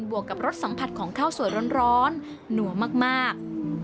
วกกับรสสัมผัสของข้าวสวยร้อนหนัวมาก